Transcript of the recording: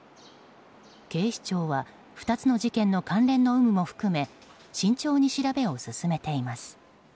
警視庁は２つの事件の関連の有無も含め慎重に調べを進めています。